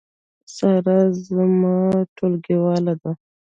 سارا زما ټولګیواله ده